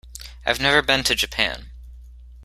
I've never been to Japan.